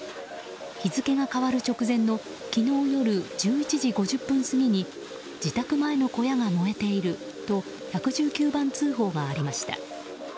日付が変わる直前の昨日夜１１時５０分過ぎに自宅前の小屋が燃えていると１１９番通報がありました。